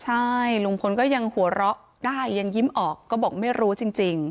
ใช่ลุงพลก็ยังหัวเราะได้ยังยิ้มออกก็บอกไม่รู้จริง